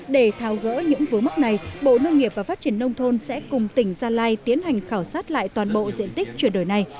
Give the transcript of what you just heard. để thao gỡ những vướng mắc này bộ nông nghiệp và phát triển nông thôn sẽ cùng tỉnh gia lai tiến hành khảo sát lại toàn bộ diện tích chuyển đổi này